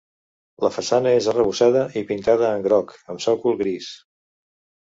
La façana és arrebossada i pintada en groc amb sòcol gris.